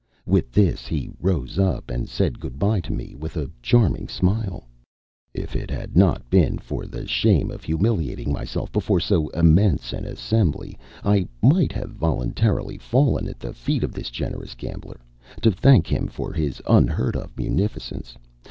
With this he rose up and said good bye to me with a charming smile. If it had not been for the shame of humiliating myself before so immense an assembly, I might have voluntarily fallen at the feet of this generous Gambler, to thank him for his unheard of munificence.